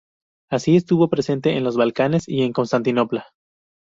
Así, estuvo presente en los Balcanes y en Constantinopla.